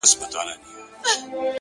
لوړ فکر نوې نړۍ انځوروي.